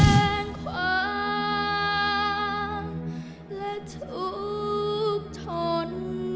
แคว้งคว้างและทุกธน